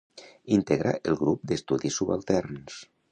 Integra el Grup d'Estudis Subalterns.